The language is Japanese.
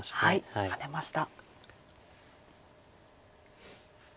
ハネました。